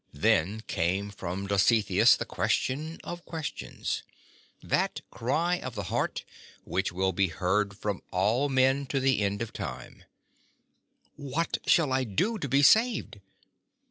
Then came from Dositheus the question of questions — that cry of the heart which will be heard from all men to the end of time — "What shall I do to be saved